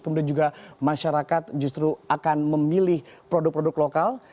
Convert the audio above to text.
kemudian juga masyarakat justru akan memilih produk produk lokal